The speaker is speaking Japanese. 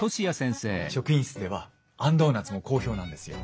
職員室ではあんドーナツも好評なんですよ。